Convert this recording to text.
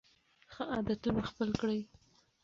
ښه عادتونه خپل کړئ.